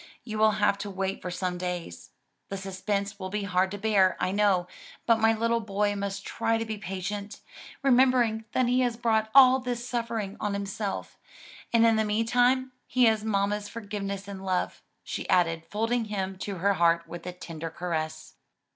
You will have to wait some days. The suspense will be hard to bear, I know, but my little boy must try to be patient, remembering that he has brought all this suffering on himself. And in the meantime he has mamma's forgiveness and love," she added folding him to her heart with a tender caress.